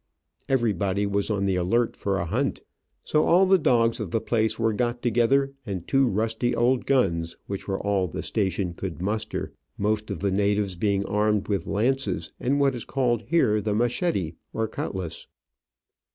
Everybody was on the alert for a hunt ; so all the dogs of the place were got together, and two rusty old guns, which were all the station could muster, most of the natives being armed with lances, and what is called here the machete, or cutlass.